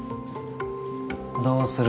どうする？